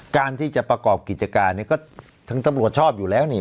การที่จะประกอบกิจการเนี่ยก็ถึงตำรวจชอบอยู่แล้วนี่